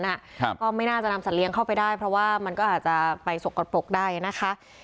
ครับก็ไม่น่าจะนำสัตเลี้ยงเข้าไปได้เพราะว่ามันก็อาจจะไปสกปรกได้นะคะ